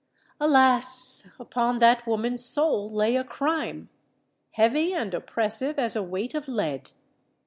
Alas! upon that woman's soul lay a crime, heavy and oppressive as a weight of lead!